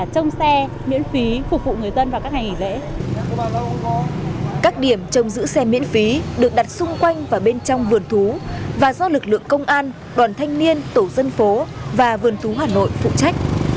các điểm trong giữ xe miễn phí được đặt xung quanh và bên trong vườn thú và do lực lượng công an đoàn thanh niên tổ dân phố và vườn thú hà nội phụ trách